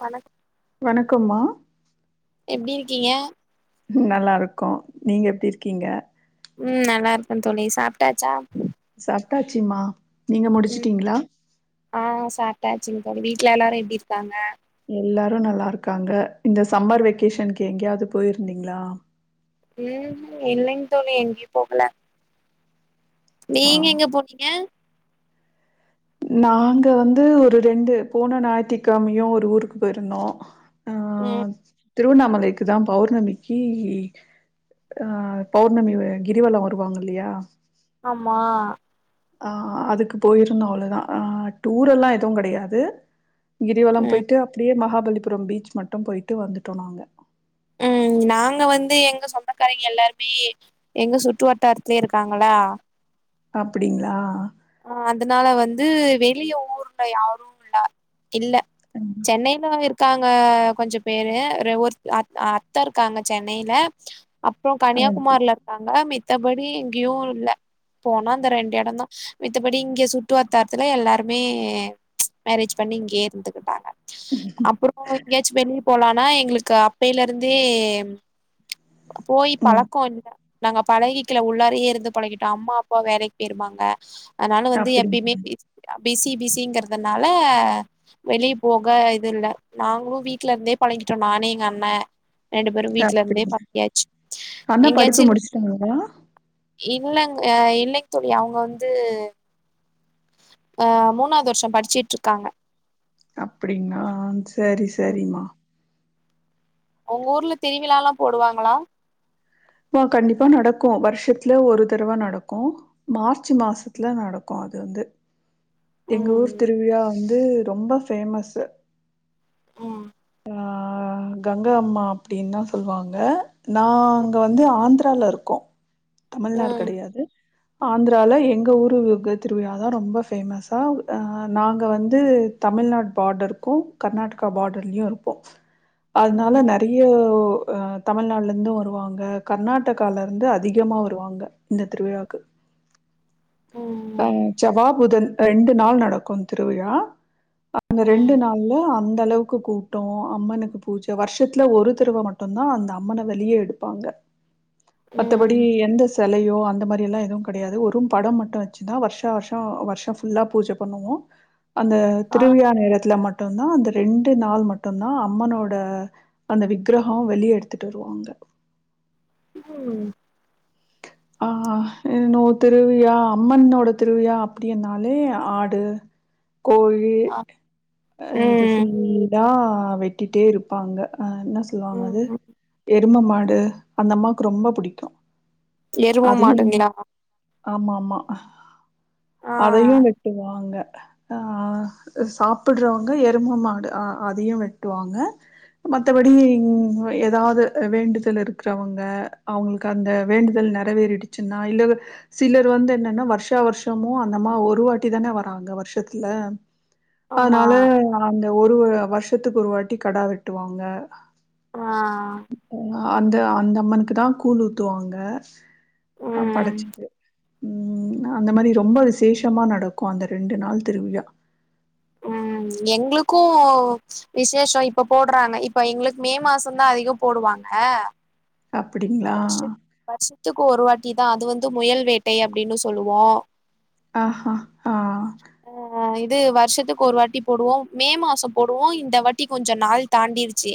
தனக் வணக்கம்மா எப்டியிருக்கிங்க நல்லாருக்கோ நீங்க எப்டி இருக்கீங்க ம் நல்லாருக்கன் தோழி சாப்ட்டாச்சா சாப்டாச்சுமா நீங்க முடிச்சுட்டீங்களா ஆ சாப்ட்டாச்சுங் தோழி வீட்டு்ல எல்லாரு எப்டிருக்காங்க எல்லாரு நல்லாருக்காங்க இந்த சம்மர் வெக்கேஷனுக்கு எங்கேயாவது போயிருந்தீங்களா ம் இல்லைங் தோழி எங்கேயு போகல நீங்கெங்கா போனீங்க நாங்க வந்து ஒரு ரெண்டு போன ஞாயத்திகிழமயு ஒரு ஊருக்கு போயிருந்தோ ம் திருவண்ணாமலைக்கு தா பௌர்ணமிக்கு ஆ பௌர்ணமி கிரிவலம் வருவாங்க இல்லையா ஆமா ஆ அதுக்கு போயிருந்தோ அவ்ளோதா ஆ டூர்ல்லா எதுவு கிடையாது கிரிவலம் போயிட்டு அப்டியே மகாபலிபுரம் பீச் மட்டு போயிட்டு வந்துட்டோ நாங்க ம் நாங்க வந்து எங்க சொந்தக்காரங்கய எல்லாருமே எங்க சுற்று வட்டாரத்துலயே இருக்காங்ளா அப்டிங்ளா அ அதனால வந்து வெளிய ஊர்ல யாரு இல்ல இல்ல சென்னையில இருக் இருக்காங்க கொஞ்ச பேரு ஒரு அ அத்த இருக்காங்க சென்னையில அப்போ கன்னியாகுமாரில இருந்தாங்க மித்தபடி எங்கேயு இல்ல போனா அந்த ரெண்டு எடோந்தா மித்தபடி இங்கே சுற்றுவட்த்தாரத்துலே எல்லாருமே மேரேஜ் பண்ணி இங்கேயே இருந்துக்கிட்டாங்க அப்புறோ எங்கேயாச்சு வெளிய போலானா எங்களுக்கு அப்பையில இருந்தே போயி பழக்கோ இல்ல நாங்க பழகிக்கிள்ள உள்ளாரயே இருந்து பழகிட்டோ அம்மா அப்பா வேலைக்கு போயிருவாங்க அதனால வந்து எப்பயுமே பிசி பிசிங்கறதுனால வெளிய போக இது இல்ல நாங்களு வீட்ல இருந்தே பழகிட்டோ நானு, எங்க அண்ண ரெண்டு பேரும் வீட்ல இருந்தே பழகியாச்சு எங்கேயாச்சு சொல்லுங்க இல்லங்க இல்லைங்தோழி அவுங்க வந்து அ மூனாவது வருஷோ படிச்சுட்டு இருக்காங்க அப்டிங்ளா செரி செரிம்மா ஒங்க ஊர்ல திருவிழாலா போடுவாங்ளா ஓ கண்டிப்பா நடக்கு வருஷத்துல ஒரு தடவ நடக்கு மார்ச் மாசத்துல நடக்கு அது வந்து எங்க ஊர் திருவிழா வந்து ரொம்ப ஃபேமஸ்ஸு உம் ஆ கங்கா அம்மா அப்டின் தா சொல்லுவாங்க நாங்க வந்து ஆந்துரால இருக்கோ தமிழ்நாடு கெடயாது. ஆந்துரால எங்க ஊர் திருவிழா தா ரொம்ப ஃபேமஸ் நாங்க வந்து தமிழ்நாடு பார்டருக்கும் கர்நாடகா பார்டர்லயு இருப்போ [inaudible] அதனால நெறய தமிழ்நாடுலருந்தும் வருவாங்க கர்நாட்டகால இருந்து அதிகமாக வருவாங்க. இந்த திருவிழாக்கு உம் செவ்வா, புதன் ரெண்டு நாள் நடக்கு திருவிழா அந்த ரெண்டு நாள் உள்ள அந்த அளவுக்கு கூட்டோ அம்மனுக்கு பூஜ வருஷத்துல ஒரு தடவ மட்டு தா அந்த அம்மன வெளியே எடு ப்பாங்க [inaudible] மத்தபடி எந்த செலையோ அந்த மாதிரில்லா எதுவு கெடயாது வெரும் படம் மட்டும் வச்சுதா வருஷோ வருஷோ வருஷம் ஃபுல்லா பூஜ பண்ணுவோ அந்த திருவிழா நேரத்ல மட்டு மட்டுந்தா அந்த ரெண்டு நாள் மட்டுந்தா அம்மனோட அந்த விக்கிரகா வெளிய எடுத்துட்டு வருவாங்க. உம் ஆ இன்னொரு திருவிழா, அம்மனோட திருவிழா அப்டினாலே ஆடு [inaudible] கோழி அ இது ஃபுல்லா வெட்டிட்டே இருப்பாங்க. என்ன சொல்லுவாங்க அது எரும மாடு அந்த அம்மாவுக்கு ரொம்ப பிடிக்கு அதையும் ஆமா ஆமா அதையும் வெட்டுவாங்க ஆ சாப்டுறவங்க எரும மாடு அ அதயு வெட்டுவாங்க மத்தபடி ஏதாவது அ வேண்டுதல் இருக்றவங்க அவுங்களுக்கு அந்த வேண்டுதல் நெறவேறிடுச்சுன்னா இல்லவ சிலர் வந்து என்னன்னா வர்ஷா வர்ஷமு அந்தமா ஒரு வாட்டி தான வராங்க வர்ஷத்துல அதனால அந்த ஒரு வருஷத்துக்கு ஒரு வாட்டி கடா வெட்டுவாங்க ஆ ம் அந்த அந்த அம்மனுக்கு தா கூழ் ஊத்துவாங்க அ படச்சுட்டு ம் அந்த மாரி ரொம்ப விசேஷமா நடக்கு அந்த ரெண்டு நாள் திருவிழா ம் எங்ளுக்கு விசேஷோ இப்ப போடுறாங்க இப்ப எங்ளுக்கு மே மாசம் தா அதிகமா போடுவாங்க அப்டிங்ளா வருஷத்துக்கு ஒரு வாட்டி தா அது வந்து முயல் வேட்டை அப்டின்னு சொல்லுவோ ஆ ஆ ஆ அ ஆ இது வர்ஷத்துக்கு ஒரு வாட்டி போடுவோ மே மாசோ போடுவோ இந்த வாட்டி கொஞ்ச நாள் தாண்டிருச்சி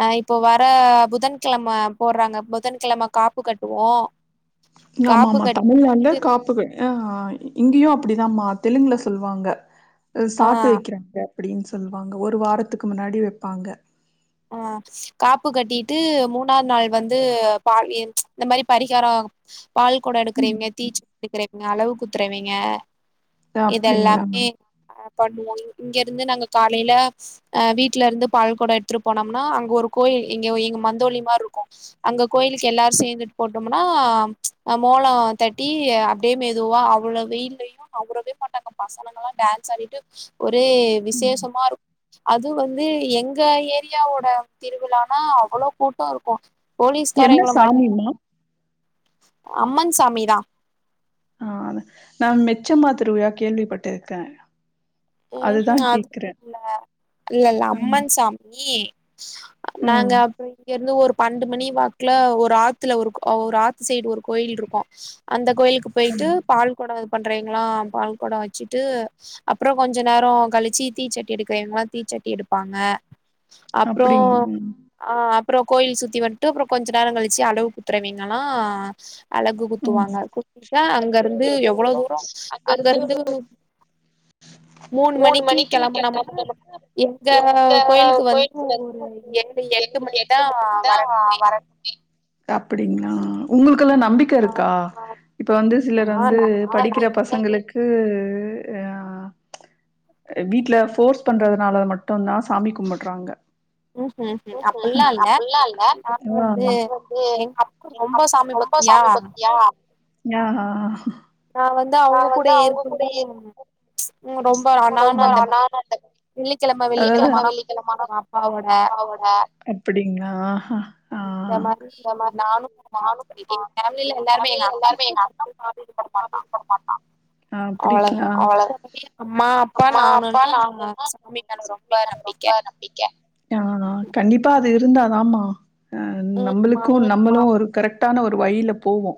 அ இப்ப வர புதன்கிழம போட்றாங்க புதன்கிழம காப்பு கட்டுவோ ஆமா ஆமா தமிழ்நாட்லயு காப் ப்புவே ஆ இங்கயு அப்டிதாமா தெலுங்குல சொல்வாங்க சாட்டு வைக்கிறாங்க அப்டின் சொல்வாங்க ஒரு வாரத்துக்கு முன்னாடி வெப்பாங்க ஆ காப்பு கட்டிட்டு மூணாவ்து நாள் வந்து பால் எ இந்த மாரி பரிகாரோ பால் கொடோ எடுக்கறிவிங்க தீச்சட்டி எடுக்கறிவிங்க அளவு குத்துறவிங்க இது எல்லாமே ஆப் பண்ணுவோ இங்க இருந்து நாங்க காலைல அ வீட்ல இருந்து பால்கொடோ எ டுத்துட்டு போனம்னா அங்க ஒரு கோயில் இங்க எங்க மந்தோலி மாருக்கு அங்க கோயிலுக்கு எல்லார் சேர்ந்துட்டு போட்டோம்னா அ மோலோ தட்டி அ ப்டியே மெதுவா அவ்ளோ வெயில்லையும் நவுரவே மாட்டாங்க பசனங்கலா டான்ஸ் ஆடிட்டு ஒரே விசேஷமா இருக்கு அது வந்து எங்க ஏன் தியாவோட திருவிழானா அவளோ கூட்டோ இருக்கு போலிஸ்காரைங்கள வந் அம்மன் சாமி தா நானு நா மெச்சமா திருவிழா கேள்விப்பட்டுருக்கே ம்ஹும் அது [inaudible] இல்ல இல்ல அம்மன் சாமி நாங்க அப்ரோ இங்கயிர் வந்து ஒரு பண்டு மணி வாக்ல ஒரு ஆத்துல ஒருக் ஆத் சைடு ஒரு கோயில் இருக்கு அந்த கோயிலுக்கு போய்ட்டு பால் கொடோ இது பண்றீங்களா பால் கொடோ வச்சிட்டு அப் ப்ரோ கொஞ்ச நேரொ கழிச்சி தீச்சட்டி எடுக்கிறவைங்கலா தீச்சட்டி எடுப்பாங்க அப்ரோ ஆ அப்ரோ கோயில் சுத்தி வந்ட்டு அப்ரோ கொஞ்ச நேரம் கழிச்சி அலவு குத்துறவீங்கெல்லா அழகு குத்துவாங்க குத்னா அங்க இருந்து எவ்ளோ தூரோ அங்க இருந்து மூணு மணிக்கி கெளம்புனா எந்த கோயில் வந்து [inaudible] அப்படிங்ளா உங்களுக்கெல்லா நம்பிக் க இருக்கா இப்ப வந்து சிலர் வந்து படிக்கிற பசங்களுக்கு அ வீட்ல ஃபோர்ஸ் பண்றதுனால மட்டு்தா சாமி கும்முட்றாங்க [unintelligible] அப்பெல்லா இல்ல அப்புற வந்து எங்க அப்பா ரொம்ப சாமி பக்தியா ஆஹ் அஹ்ஹ் நா வந்து அவங்க கூடயே ம் நா ரொம்ப அ ரொம்ப ஆனமாத்து வெள்ளிக்கெழம வெள்ளிக்கெழம ஆனா அம்மாவோட அப்டிங்களா ஆ இந்த மாரி ஸ்யூ நானு [unintelligible] எங்க பேமிலி எல்லாருமே எங்க அப்பா மட்டு [unintelligible] ஆ அப்டிங்லா அவள ஏ அம்மா அப்பா நானுன்னு சாமி மேல ரொம்ப நம்பிக்க க்க ஆ கண்டிப்பா இருந்தாதமா நம்மளுக்கு லா நம்ளூ ஒரு கரெக்டான ஒரு வழில போவோ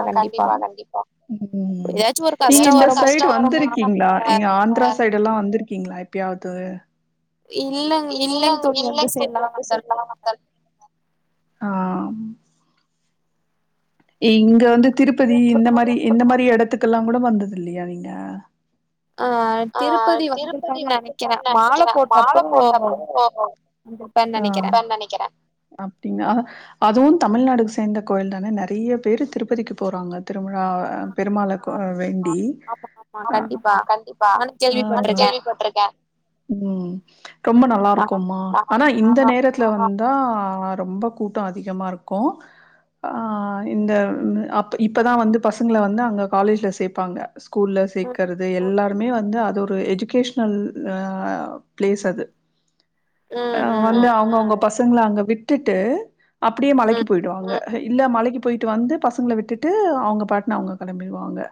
ஆ கண்டிப்பா கண்டிப்பா ம் ரொம்ப கஷ்ட வருனு இருக்கிங்ளா இங்க ஆந்திரா சைடுலா வந்திருக்கீங்ளா எப்பயாது இல்லே இல்லேஐங் தோழி அந்த சைட்லா நம் மக்கள் ஆ இங்க வந்து திருப்பதி இந்த மாரி இந்த மாரி எடத்துக்கெல்லா கூட வந்தது இல்லயா நீங்க ஆ திருப்பதி வந்திருக்கனு நெனைக்கிறே மால போட்டப்போ வந்துருப்பேனு நெனைக்கிறே வந்தேனு நெனைக்கிறே அப்டினா அதுவு தமிழ்நாடுக்கு சேந்த கோயில் தானே நெறைய பேரு திருப்பதிக்கு போறாங்க திருவிழாவ எ பெருமாள வேண்டி ப்ப அது கேள்விப்பட்ருக்கே ம் ரொம்ப நல்லாருக்கும்மா ஆனா இந்த நேர [unintelligible] வந்தாக் ரொம்ப கூட்டொ அதிகமா இருக்கு அ இந்த அப்ப இப்போதா வந்து பசங்கள வந்து அங்கே காலேஜில சேப்பாங்க ஸ்கூல்ல சேக்கறது எல்லா இனிமே வந்து அது ஒரு எஜுகேஷனல் அ பிளேஸ் அது அ வந்து அவுங்கவுங்க பசங்கள அங்க விட்டுட்டு அப்டியே மலைக்கி போயிடுவாங்க இல்ல மலைக்கி போயிட்டு வந்து பசங்கள விட்டுட்டு அவுங்க பாட்ன அவுங்க கெளம்பிருவாங்க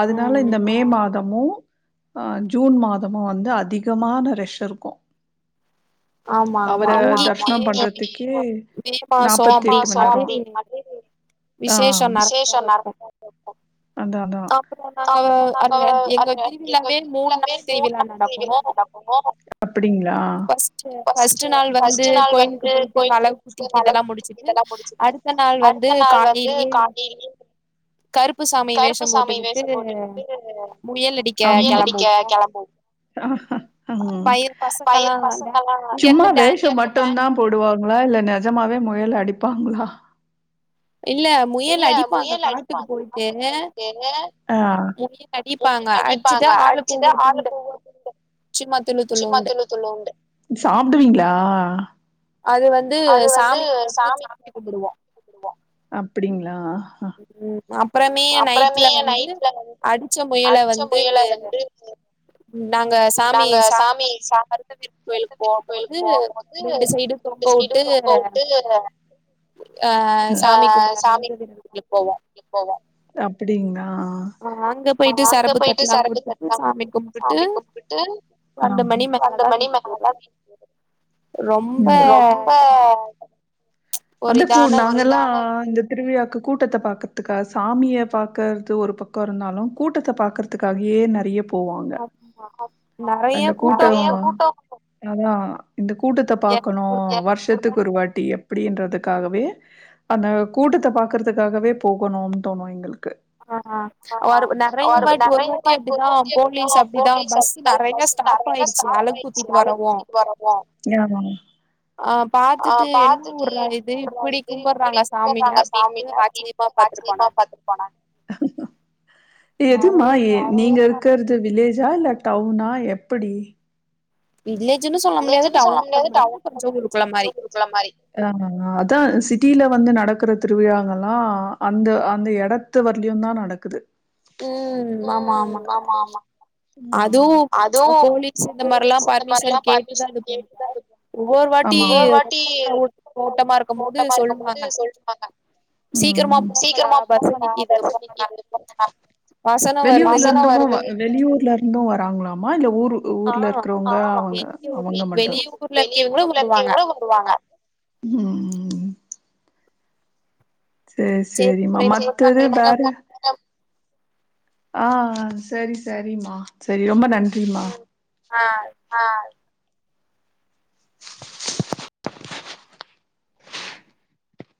அதுனால இந்த மே மாதமு அ ஜூன் மாதமு வந்து அதிகமான ரெஷ் இருக்கு அவர தர்ஷன பண்றதுக்கே நாற்பத்தி எட்டு மணிநேறோ ஆ அங்க அதா அப்டிங்ளா ஃபஸ்ட்டு ஃபஸ்ட்டு நாள் வந்து கோயிலுக்கு போயட்டும்ச் இதெல்லா முடிச்சிட்டு அடுத்த நாள் வந்து காலிலே கருப்பு சாமி வேஷொ போட்டுக்கிட்டு முயல் அடி க்க கெளம்புவோ பைய பசங்கல்லா வந்து சும்மா வேஷம் மட்டுந்தா போடுவாங்ளா இல்ல நெஜமாவே முயல் அடிப்பாங்ளா இல்ல இல்ல முயல் அடிப்பாங்க காட்டுக்கு போய்ட்டு முயல் அடிப்பாங்க அச்சிட்டு ஆளுக்கு ஒவ்வொன்னு துண்டு சும்மா துள்ளி துள்ளோண்டு சாப்டுவீங்ளா அது வந்து சாமிக்கு படச்சு சாமி சாப்டு அப்டிங்ளா ம் அப் அப்பறமே நைட்ல வந்து அடிச்ச முயல வந்து நாங்க சாமி சார்பா அருந்ததி கோயிலுக்கு போபோது ரெண்டு சைடு தொங்க வுட்டு அ சாமி கும்புற மாரி தினத்துல போவோ கூட்டிட் போவோ அப்டிங்ளா ஆ அங்க போயிட்டு சரக்கு தண்ணிலா சாமி கும்பிட்டு ஆ அந்த மணிமேகலதா வீட் ம் ரொம்ப அந்த கூ நாங்கல்லா இந்த திருவிழாக்கு கூட்டத்த பாக்கறதுக்க சாமிய பாக்றது ஒரு பக்கம் இருந்தாலு கூட்டத்த பாக்றது த்துக்காகே நெறைய போவாங்க அந்த கூட்டோ அதா இந்த கூட்டத்த பாக்கணு வருஷ் ச்சத்து ஒருவாட்டி அப்டின்றது காகவே அந்த கூட்டத்த பாக்றதுக்காகவே போகணு தோணு எங்களுக்கு ஆ ஒரு நெறைய நாள் நாத்தி எட்டு நாள் போலீஸ் அப்டி தா பஸ் நடுல ஸ்டாப் ஆயிடுச்சு அலகு குத்திட்டு வரவூ ஆ பாத்துட்டு என்ன ஊர்ரா இது இப்டி கும்பிடுறாங்க சாமிய அப்டின்ட்டு ஆச்சரியமா பாத்துட்டு போனாங்க போனாங்க எதுமா நீங்க இருக்றது வில்லேஜா இல்ல டவுனா எப்படி வில்லேஜ்ன்னு சொல்ல முடியாது டவுன்னு சொல்ல முடியாது கொஞ்ச ஊர்குள்ள மாதிரி உங்கள மாரி ஆ அதா சிட்டில வந்து நடக்கற திருவிழாங்கல்லா அந்த அந்த எடத் த்த வரலயும் தா நடக்குது ம் ஆமா ஆமா ஆமா ஆமா அதுவு போலீஸ் இந்த மாரில்லா பர்மிஷன் கேட்டுதா இது பண்ணுவ ஒவ்வொரு வாட்டி ரொம்ப கிரௌட் கூட்டமா இருக்குபோது சொல்லுவாங்க சீக்கிரமா போங்கடா பஸ் நிக்கிது போங்கடா வாசன வருந்துகிட்ட வெளியூர்ல இருந்து வராங்களாமா இல்ல ஊர் ஊர்ல இருக்கிறவங்க அவங்க அவங்க மட்டு வெளிய ஊர்ல இருக்க கூட வருவாங்க ம் சேர் செரிம்மா மத்தது வேற ஆ சரி சரிம்மா சரி ரொம்ப நன்றி மா